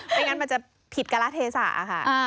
ไม่งั้นมันจะผิดการะเทศะค่ะ